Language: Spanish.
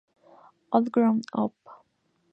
All Grown Up!